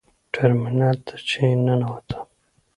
ټرمینل ته چې ننوتم.